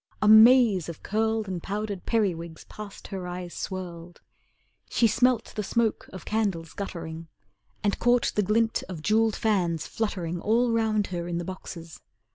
A maze of curled And powdered periwigs past her eyes swirled. She smelt the smoke of candles guttering, And caught the glint of jewelled fans fluttering All round her in the boxes.